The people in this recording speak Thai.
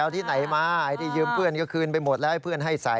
เอาที่ไหนมาไอ้ที่ยืมเพื่อนก็คืนไปหมดแล้วให้เพื่อนให้ใส่